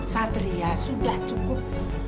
satria sudah cukup